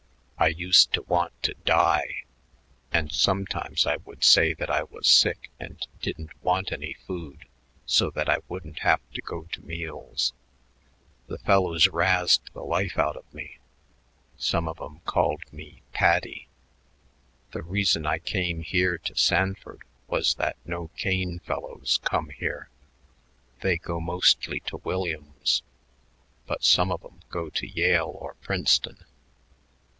I used to want to die, and sometimes I would say that I was sick and didn't want any food so that I wouldn't have to go to meals. The fellows razzed the life out of me; some of 'em called me Paddy. The reason I came here to Sanford was that no Kane fellows come here. They go mostly to Williams, but some of 'em go to Yale or Princeton.